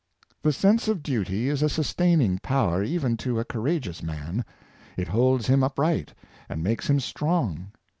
The sense of duty is a sustaining power even to a courageous man. It holds him upright, and makes him strong.